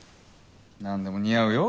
何でも似合うよ。